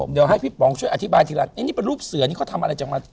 เดี๋ยวให้พี่ป๋องช่วยอธิบายทีละนี่เป็นรูปเสือนี่เขาทำอะไรจากมา